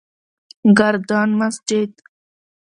گردن مسجد: